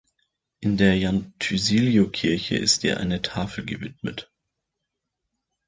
In der Llantysilio-Kirche ist ihr eine Tafel gewidmet.